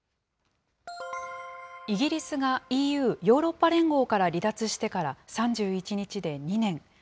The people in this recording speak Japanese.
イギリスがＥＵ・ヨーロッパ連合から離脱してから３１日で２年。